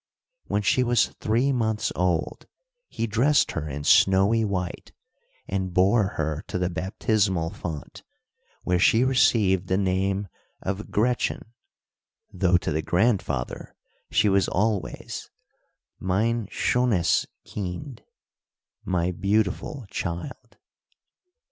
When she was three months old, he dressed her in snowy white, and bore her to the baptismal font, where she received the name of Gretchen, though to the grandfather she was always "mein schönes kind" (my beautiful child).